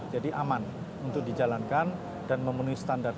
jadi aman untuk dijalankan dan memenuhi standar